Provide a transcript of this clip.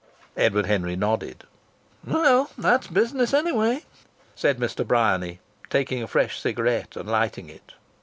Edward Henry nodded. "Well, that's business anyway!" said Mr. Bryany, taking a fresh cigarette and lighting it.